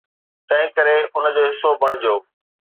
تنهنڪري ان جو حصو بڻجو.